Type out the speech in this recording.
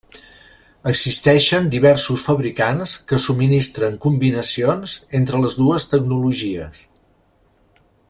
Existeixen diversos fabricants que subministren combinacions entre les dues tecnologies.